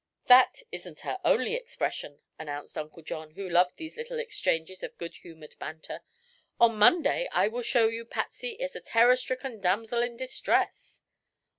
"That isn't her only expression," announced Uncle John, who loved these little exchanges of good humored banter. "On Monday I will show you Patsy as a terror stricken damsel in distress."